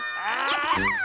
やった！